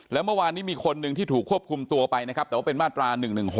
แล้วเมื่อวานมีคนที่ถูกควบคุมตัวไปแต่เป็นมาตรา๑๑๖